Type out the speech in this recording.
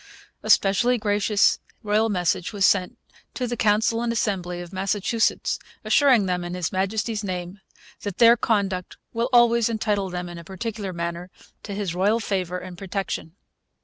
A specially gracious royal message was sent to 'The Council and Assembly' of Massachusetts, assuring them, 'in His Majesty's name, that their conduct will always entitle them, in a particular manner, to his Royal favour and protection.'